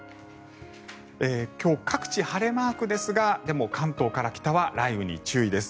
今日、各地は晴れマークですがでも、関東から北は雷雨に注意です。